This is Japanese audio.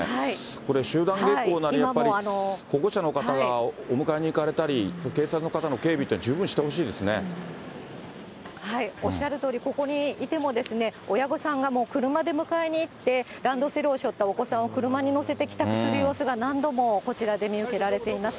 これ、集団下校なり、やっぱり保護者の方がお迎えに行かれたり、警察の方の警備って、おっしゃるとおり、ここにいても、親御さんが車で迎えに行って、ランドセルをしょったお子さんを車に乗せて帰宅する様子が、何度もこちらで見受けられています。